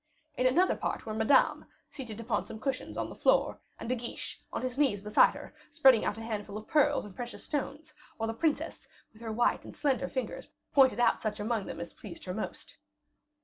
In another part were Madame, seated upon some cushions on the floor, and De Guiche, on his knees beside her, spreading out a handful of pearls and precious stones, while the princess, with her white and slender fingers pointed out such among them as pleased her the most.